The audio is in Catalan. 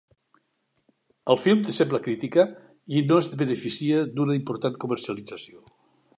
El film decep la crítica i no es beneficia d'una important comercialització.